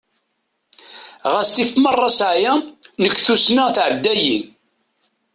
Ɣas tif meṛṛa sɛaya, nekk tussna tɛedda-yi.